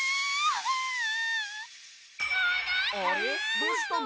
どうしたの？